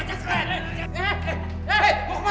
wah bagus sekali setanah raja